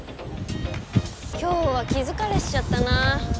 今日は気疲れしちゃったな。